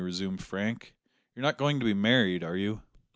resumed Frank. "You're not going to be married, are you?"